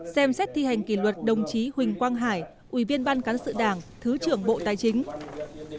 ba xem xét thi hành kỷ luật đồng chí huỳnh quang hải ủy viên ban cán sự đảng thứ trưởng bộ tài chính